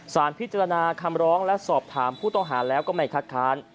สารพิจารณาคำร้องและสอบถามผู้ต้องหาแล้วก็ไม่คัดค้าน